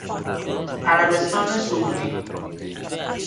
عربستان سعودی